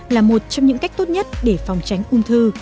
là một trong những cách tốt nhất để phòng tránh ung thư